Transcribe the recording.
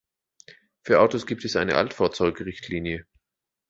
Für Autos gibt es eine Altfahrzeug-Richtlinie.